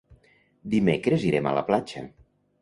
Dimecres irem a la platja.